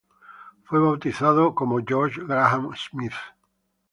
Fue bautizado como George Graham Smith.